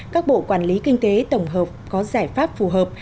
các bộ quản lý kinh tế tổng hợp có giải pháp phù hợp